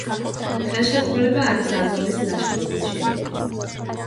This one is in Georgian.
ხელშეკრულება არის აზოვის ლაშქრობის შედეგი.